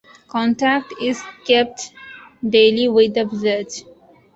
Contact is kept daily with the village.